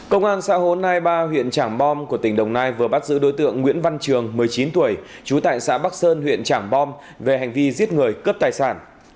công an xã hồ nai ba huyện trảng bom của tỉnh đồng nai vừa bắt giữ đối tượng nguyễn văn trường một mươi chín tuổi trú tại xã bắc sơn huyện trảng bom về hành vi giết người cướp tài sản